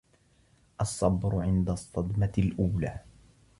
الصبر عند الصدمة الأولى